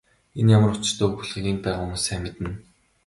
Энэ ямар учиртай үг болохыг энд байгаа хүмүүс сайн мэднэ.